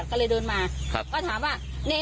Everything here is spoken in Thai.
ก็เลยเดินมาก็ถามว่า